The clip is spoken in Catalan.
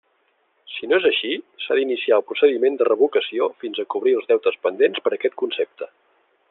Si no és així, s'ha d'iniciar el procediment de revocació fins a cobrir els deutes pendents per aquest concepte.